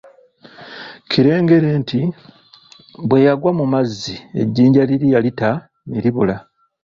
Kirengere nti bwe yagwa mu mazzi ejjinja liri yalita ne libula.